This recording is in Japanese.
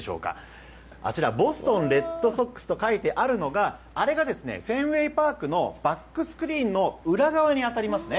あちらボストン・レッドソックスと書いてあるのがあれが、フェンウェイパークのバックスクリーンの裏側に当たります。